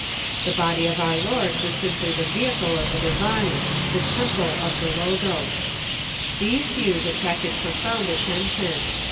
The body of our Lord was simplj^ the vehicle of the divine, the temple of the Logos. These views attract ed profound attention.